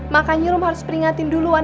makanya rum harus peringatin duluan